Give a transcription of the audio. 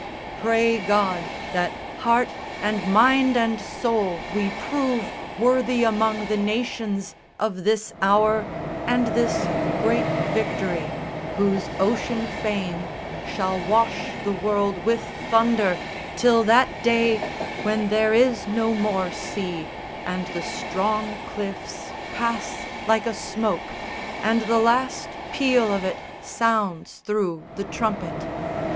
Pray God that heart and mind and soul we prove Worthy among the nations of this hour And this great victory, whose ocean fame Shall wash the world with thunder till that day When there is no more sea, and the strong cliffs Pass like a smoke, and the last peal of it Sounds thro' the trumpet."